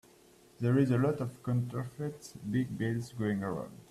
There's a lot of counterfeit big bills going around.